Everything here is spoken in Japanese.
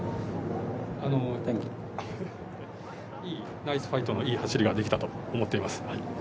ナイスファイトのいい走りができたと思っています。